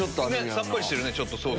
さっぱりしてるねソース。